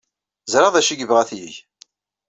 Ẓriɣ d acu ay yebɣa ad t-yeg.